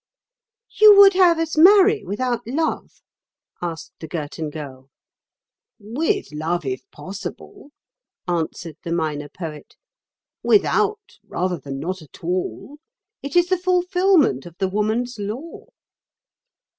"You would have us marry without love?" asked the Girton Girl. "With love, if possible," answered the Minor Poet; "without, rather than not at all. It is the fulfilment of the woman's law."